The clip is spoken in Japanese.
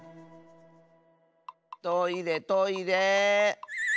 トイレトイレ。